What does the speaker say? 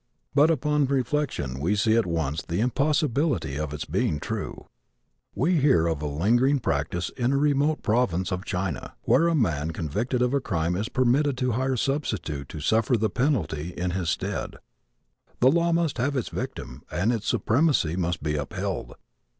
But upon reflection we see at once the impossibility of its being true. We hear of a lingering practice in a remote province of China, whereby a man convicted of a crime is permitted to hire a substitute to suffer the penalty in his stead. The law must have its victim and its supremacy must be upheld.